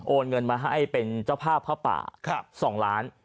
เงินมาให้เป็นเจ้าภาพผ้าป่า๒ล้าน